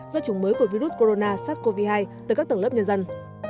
do chủng mới của virus corona sars cov hai tới các tầng lớp nhân dân